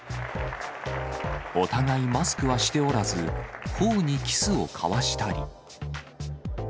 お互いマスクはしておらず、ほおにキスを交わしたり。